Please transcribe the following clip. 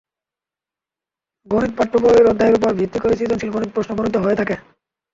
গণিত পাঠ্যবইয়ের অধ্যায়ের ওপর ভিত্তি করেই সৃজনশীল গণিত প্রশ্ন প্রণীত হয়ে থাকে।